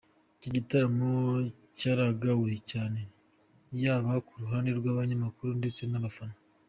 Iki gitaramo cyaragawe cyane, yaba ku ruhande rw’abanyamakuru ndetse n’abafana.